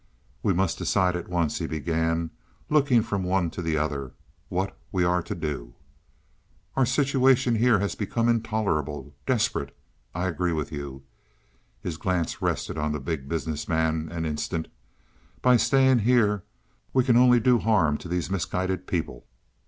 "We must decide at once," he began, looking from one to the other, "what we are to do. Our situation here has become intolerable desperate. I agree with you," his glance rested on the Big Business Man an instant; "by staying here we can only do harm to these misguided people."